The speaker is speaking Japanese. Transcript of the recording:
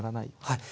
はい。